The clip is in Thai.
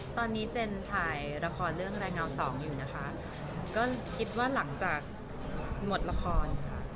ตอนนี้เจนถ่ายละครเรื่องแรงเงาสองอยู่นะคะก็คิดว่าหลังจากหมดละครค่ะ